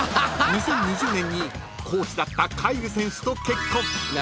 ［２０２０年にコーチだったカイル選手と結婚］